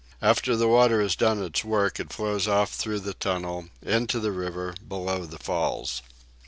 After the water has done its work it flows off through the tunnel into the river below the falls.